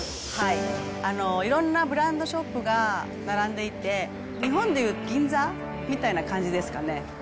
いろんなブランドショップが並んでいて、日本でいう銀座みたいな感じですかね。